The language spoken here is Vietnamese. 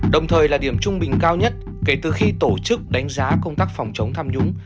đồng thời là điểm trung bình cao nhất kể từ khi tổ chức đánh giá công tác phòng chống tham nhũng